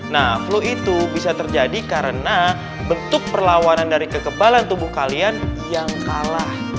nah flu itu bisa terjadi karena bentuk perlawanan dari kekebalan tubuh kalian yang kalah